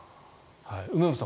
梅本さん